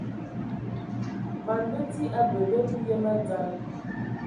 Man bəti abələ biyəm a dzal.